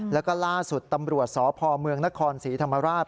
แล้วก็ล่าสุดตำรวจสพเมืองนครศรีธรรมราช